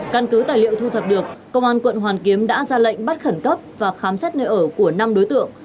căn cứ tài liệu thu thập được công an quận hoàn kiếm đã ra lệnh bắt khẩn cấp và khám xét nơi ở của năm đối tượng